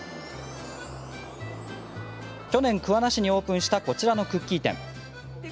去年、桑名市にオープンしたこちらのクッキー店。